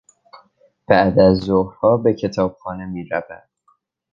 بعد از ظهرها به کتابخانه میرود.